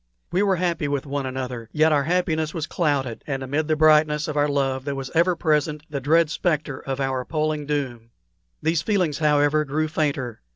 We were happy with one another, yet our happiness was clouded, and amid the brightness of our love there was ever present the dread spectre of our appalling doom. These feelings, however, grew fainter.